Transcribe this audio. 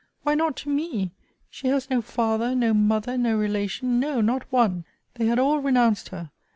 Why not to me? She has no father, no mother, no relation; no, not one! They had all renounced her.